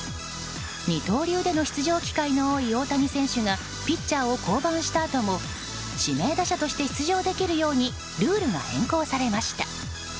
二刀流での出場機会の多い大谷選手がピッチャーを降板したあとも指名打者として出場できるようにルールが変更されました。